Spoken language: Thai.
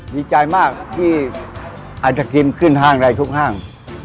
ดีใจมากที่ไอทะคริมขึ้นห้างใดทุกห้าง